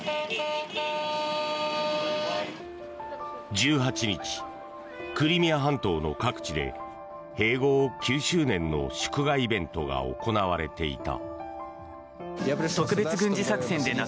１８日、クリミア半島の各地で併合９周年の祝賀イベントが行われていた。